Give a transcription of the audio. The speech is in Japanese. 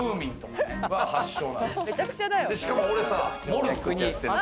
しかも俺さ、モルックやってん。